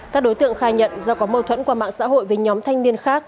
các đối tượng khai nhận do có mâu thuẫn qua mạng xã hội với nhóm thanh niên khác